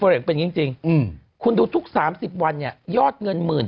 อึกอึกอึกอึกอึกอึกอึกอึก